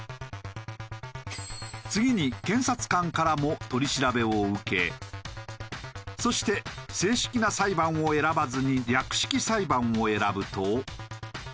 次に検察官からも取り調べを受けそして「正式な裁判」を選ばずに「略式裁判」を選ぶと。